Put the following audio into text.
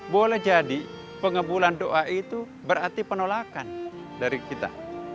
boleh jadi pengebulan doa itu berarti penolakan dari kita